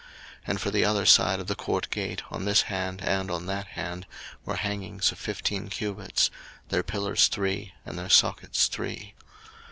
02:038:015 And for the other side of the court gate, on this hand and that hand, were hangings of fifteen cubits; their pillars three, and their sockets three.